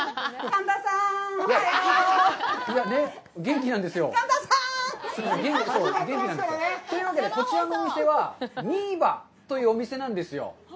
神田さん！というわけでこちらのお店は「ミーバ」というお店なんですよ。